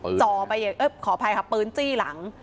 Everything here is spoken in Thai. จ่อไปขออภัยค่ะปืนจี้หลัง